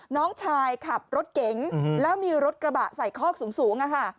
น้องชายขับรถเก๋งแล้วมีรถกระบะใส่คอกสูง